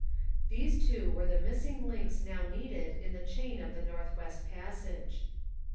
These two were the missing links now needed in the chain of the North West Passage.